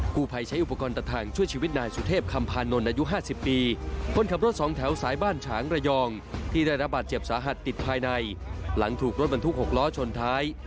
บาดเจ็บสาหัดติดภายในหลังถูกรถบรรทุกหกล้อชนท้าย